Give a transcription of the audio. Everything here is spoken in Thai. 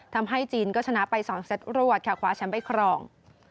ทำให้จีนก็ชนะไป๒เซตรวดค่ะขวาชั้นไปครอง